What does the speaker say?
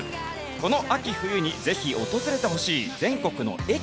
この秋冬にぜひ訪れてほしい全国の駅